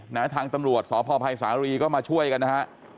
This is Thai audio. ทางตำรวจสพภัยสารีก็มาช่วยกันนะฮะ